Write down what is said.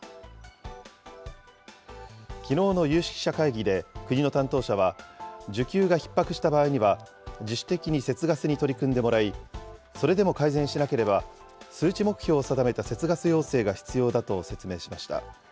きのうの有識者会議で、国の担当者は、需給がひっ迫した場合には、自主的に節ガスに取り組んでもらい、それでも改善しなければ数値目標を定めた節ガス要請が必要だと説明しました。